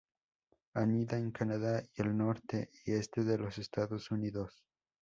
Anida en Canadá y el norte y este de los Estados Unidos.